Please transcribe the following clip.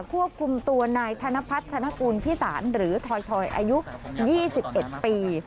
ควบคุมตัวนายธนพัฒนกุลพิสารหรือถอยอายุ๒๑ปี